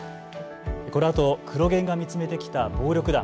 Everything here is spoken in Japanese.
このあとクロ現が見つめてきた暴力団。